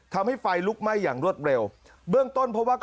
ทำให้ไฟลุกไหม้อย่างรวดเร็ว